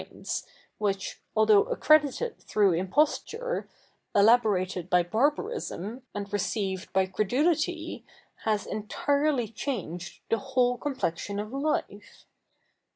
its which, although accredited through imposture, elaborated by barbarism, and received by c? edulity, has e?iti?'ely changed the whole complexion of life.